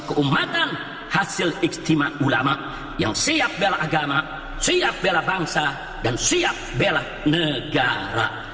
keumatan hasil istimewa ulama yang siap bela agama siap bela bangsa dan siap bela negara